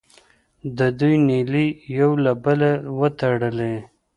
د دوی نیلې یو له بله وې تړلې.